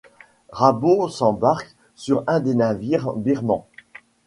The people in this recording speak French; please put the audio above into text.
Rabeau s'embarque sur un des navires birmans.